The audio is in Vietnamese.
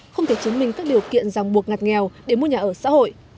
không thể chứng minh các điều kiện ràng buộc ngặt nghèo để mua nhà ở xã hội